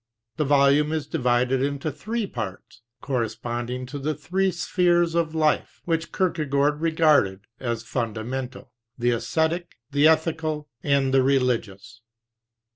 The volume is divided into three parts, corresponding to the three spheres of life which Kierkegaard regarded as fundamental, the esthetic, the ethical, and the religious.